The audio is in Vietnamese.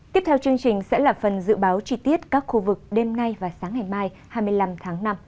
tiếp theo chương trình sẽ là phần dự báo chi tiết các khu vực đêm nay và sáng ngày mai hai mươi năm tháng năm